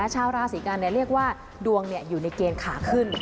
ชาวราศีกันเรียกว่าดวงอยู่ในเกณฑ์ขาขึ้น